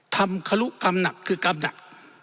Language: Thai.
ครุกรรมหนักคือกรรมหนัก